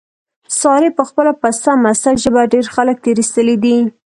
سارې په خپله پسته مسته ژبه، ډېر خلک تېر ایستلي دي.